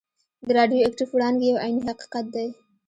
د راډیو اکټیف وړانګې یو عیني حقیقت دی.